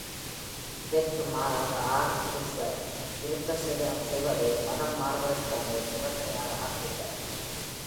இதற்கு மாறாக R. Eliezer, விருத்தசேதனம் செய்வதை மதம் மாறுவதற்கான ஒரு நிபந்தனையாக ஆக்குகிறார்.